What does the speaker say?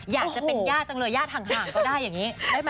อยากจะเป็นญาติจังเลยญาติห่างก็ได้อย่างนี้ได้ไหม